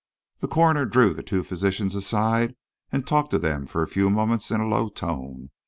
The coroner drew the two physicians aside and talked to them for a few moments in a low tone.